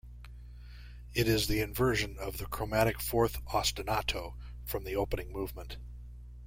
It is the inversion of the chromatic fourth ostinato from the opening movement.